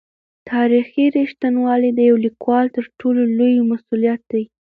تاریخي رښتینولي د یو لیکوال تر ټولو لوی مسوولیت دی.